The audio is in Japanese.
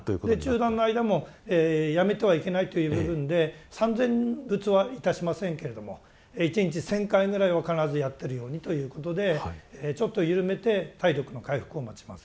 中断の間もやめてはいけないという部分で三千仏はいたしませんけれども一日１０００回ぐらいを必ずやってるようにということでちょっと緩めて体力の回復を待ちます。